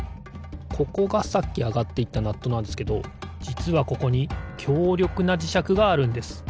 ここがさっきあがっていったナットなんですけどじつはここにきょうりょくなじしゃくがあるんです。